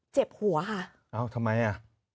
เจ็บหัวค่ะเอ้าทำไมอ่ะ